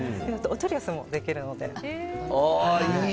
お取り寄せもできるので。